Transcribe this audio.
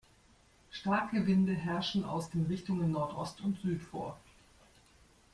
Starke Winde herrschen aus den Richtungen Nordost und Süd vor.